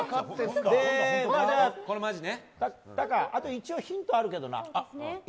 一応、ヒントあるけどな。